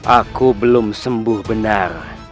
aku belum sembuh benar